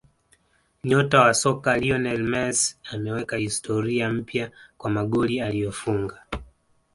Nyota wa soka Lionel Messi ameweka historia mpya kwa magoli aliyofunga